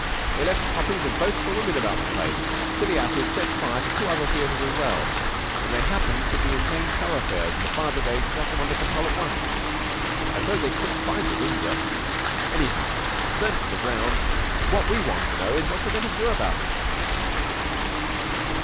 They left copies of 'Votes for Women' about the place. The silly asses set fire to two other theaters as well, but they happened to be in main thoroughfares and the fire brigade got them under control at once. I suppose they couldn't find the Windsor. Anyhow, it's burned to the ground and what we want to know is what are you going to do about it?"